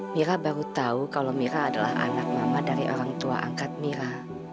mira baru tahu kalau mira adalah anak mama dari orang tua angkat mira